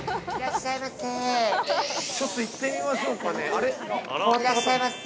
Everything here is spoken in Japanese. あら？◆いらっしゃいませ。